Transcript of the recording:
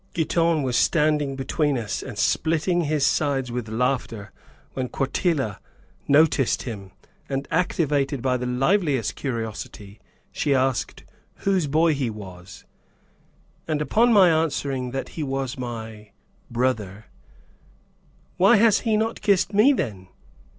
Giton was standing between us and splitting his sides with laughter when Quartilla noticed him, and actuated by the liveliest curiosity, she asked whose boy he was, and upon my answering that he was my "brother," "Why has he not kissed me then?"